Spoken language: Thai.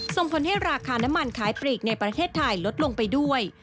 ส่งผลให้ราคาน้ำมันขายปลีกในประเทศไทยลดลงไปด้วย